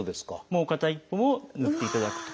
もう片一方もぬっていただくと。